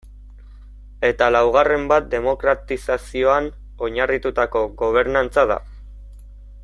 Eta laugarren bat demokratizazioan oinarritutako gobernantza da.